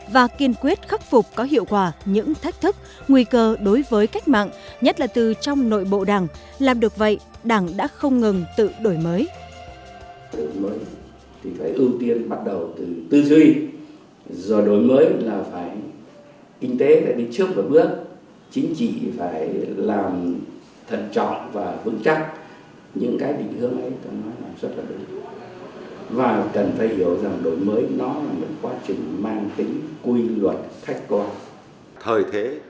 và kiên quyết khắc phục có hiệu quả những thách thức nguy cơ đối với cách mạng nhất là từ trong nội bộ đảng làm được vậy đảng đã không ngừng tự đổi mới